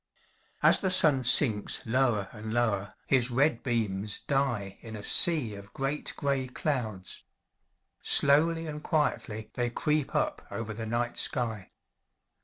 As the sun sinks lower and lower, his red beams die in a sea of great gray clouds. Slowly and quietly they creep up over the night sky.